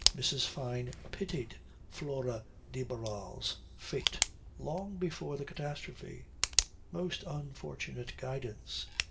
Mrs. Fyne pitied Flora de Barral's fate long before the catastrophe. Most unfortunate guidance.